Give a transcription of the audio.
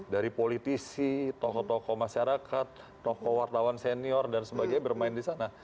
dari politisi tokoh tokoh masyarakat tokoh wartawan senior dan sebagainya bermain di sana